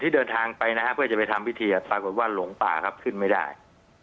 เดินทางไปนะฮะเพื่อจะไปทำพิธีปรากฏว่าหลงป่าครับขึ้นไม่ได้